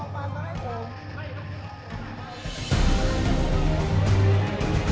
โปรดติดตามต่อไป